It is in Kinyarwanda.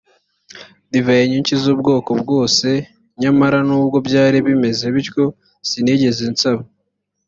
divayi nyinshi z’ubwoko bwose. nyamara nubwo byari bimeze bityo sinigeze nsaba